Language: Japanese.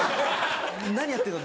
「何やってるの？」